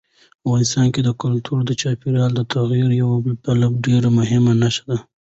افغانستان کې کلتور د چاپېریال د تغیر یوه بله ډېره مهمه نښه ده.